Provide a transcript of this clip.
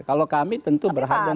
kalau kami tentu berharga mengamini